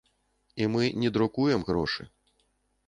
І мы не друкуем грошы.